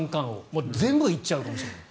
もう全部いっちゃうかもしれない。